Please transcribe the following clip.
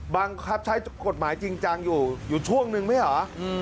บังคับใช้กฎหมายจริงจังอยู่อยู่ช่วงนึงไหมเหรอ